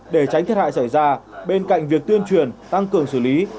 để tránh thiệt hại xảy ra bên cạnh việc tuyên truyền tăng cường xử lý